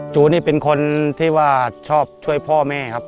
จูนี่เป็นคนที่ว่าชอบช่วยพ่อแม่ครับ